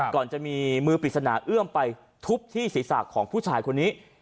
ก่อนจะมีมือปริศนาเอื้อมไปทุบที่ศีรษะของผู้ชายคนนี้